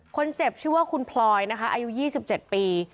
คนเจ็บชื่อว่าคุณพลอยนะคะอายุ๒๗ปี